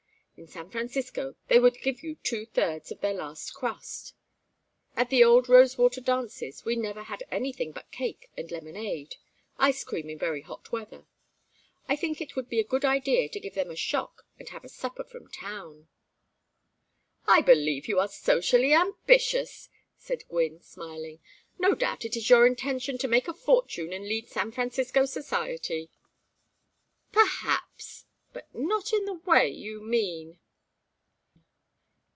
In San Francisco they would give you two thirds of their last crust. At the old Rosewater dances we never had anything but cake and lemonade ice cream in very hot weather. I think it would be a good idea to give them a shock and have a supper from town." "I believe you are socially ambitious," said Gwynne, smiling. "No doubt it is your intention to make a fortune and lead San Francisco society." "Perhaps, but not in the way you mean."